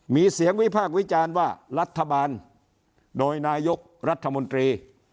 มีเสียงวิพากษ์วิจารณ์ว่ารัฐบาลโดยนายกรัฐมนตรี